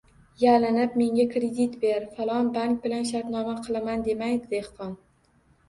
Yalinib, menga kredit ber, falon bank bilan shartnoma qilaman, demaydi dehqon.